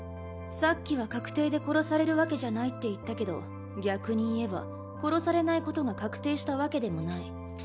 さっきは確定で殺されるわけじゃないって言ったけど逆に言えば殺されないことが確定したわけでもない。